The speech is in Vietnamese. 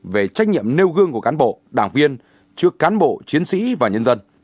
về trách nhiệm nêu gương của cán bộ đảng viên trước cán bộ chiến sĩ và nhân dân